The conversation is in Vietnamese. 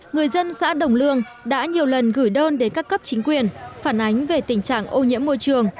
người dân xã đồng lương đã nhiều lần gửi đơn đến các cấp chính quyền phản ánh về tình trạng ô nhiễm môi trường